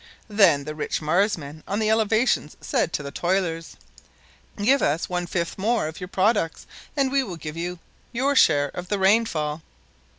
Then the rich Marsmen on the elevations said to the toilers: "Give us one fifth more of your products, and we will give you your share of the rainfall."